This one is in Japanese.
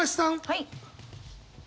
はい。